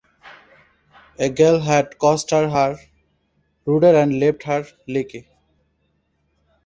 A gale had cost her her rudder and left her leaky.